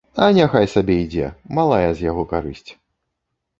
А няхай сабе ідзе, малая з яго карысць.